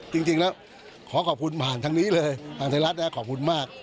จริงแล้วขอขอบคุณผ่านทางนี้เลยทางไทยรัฐนะขอบคุณมาก